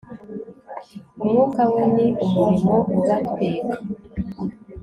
umwuka we ni umuriro ubatwika